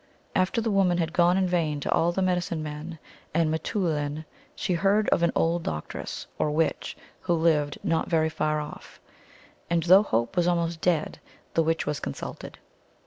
After the woman had gone in vain to all the medi cine men and mteoulin, she heard of an old doctress, or witch, who lived not very far off. And though hope was almost dead, the witch was consulted.